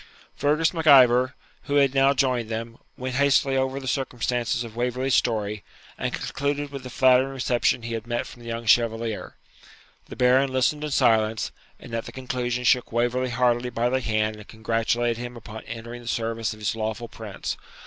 Fergus Mac Ivor, who had now joined them, went hastily over the circumstances of Waverley's story, and concluded with the flattering reception he had met from the young Chevalier. The Baron listened in silence, and at the conclusion shook Waverley heartily by the hand and congratulated him upon entering the service of his lawful Prince.